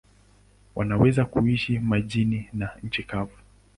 Wanaweza kuishi majini na nchi kavu.